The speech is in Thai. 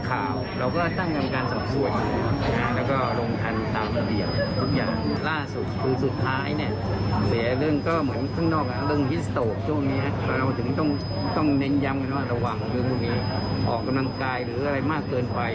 คือสิ่งที่เกิดเรื่องจริงเราก็ต้องยอมรับสำหรับกับเขา